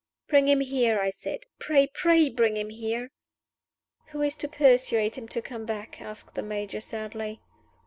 "Bring him here!" I said. "Pray, pray bring him here!" "Who is to persuade him to come back?" asked the Major, sadly.